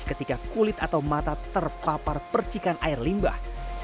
ketika kulit atau mata terpapar percikan air limbah